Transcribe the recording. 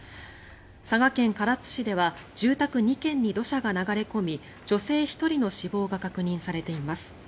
佐賀県唐津市では住宅２軒に土砂が流れ込み女性１人の死亡が確認されています。